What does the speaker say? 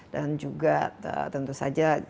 dan juga tentu saja